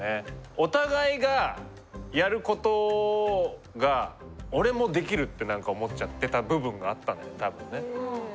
お互いがやることが俺もできるって思っちゃってた部分があったんだよたぶんね。